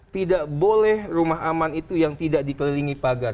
tidak boleh rumah aman itu yang tidak dikelilingi pagar